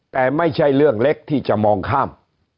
แต่ไม่ใช่เรื่องเล็กที่จะมองข้าม